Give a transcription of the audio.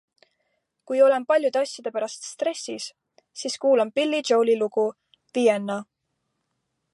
Kui olen paljude asjade pärast stressis, siis kuulan Billy Joeli lugu "Vienna".